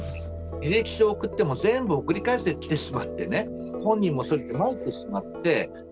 履歴書を送っても、全部送り返してきてしまってね、本人もそれでまいってしまって。